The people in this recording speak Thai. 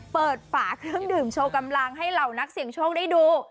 ฝาเครื่องดื่มโชว์กำลังให้เหล่านักเสี่ยงโชคได้ดู